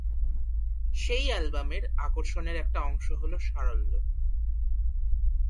সেই অ্যালবামের আকর্ষণের একটা অংশ হল সারল্য।